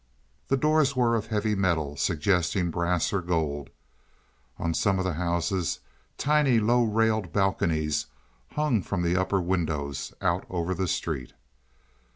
The doors were of heavy metal, suggesting brass or gold. On some of the houses tiny low railed balconies hung from the upper windows out over the street.